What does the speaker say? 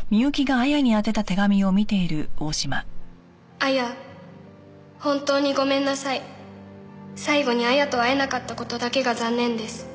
「亜矢ほんとうにごめんなさい」「最後に亜矢と会えなかったことだけが残念です」